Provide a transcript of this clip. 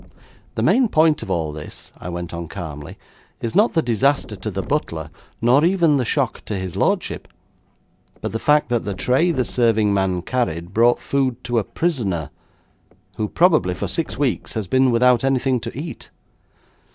'The main point of all this,' I went on calmly, 'is not the disaster to the butler, nor even the shock to his lordship, but the fact that the tray the serving man carried brought food to a prisoner, who probably for six weeks has been without anything to eat.'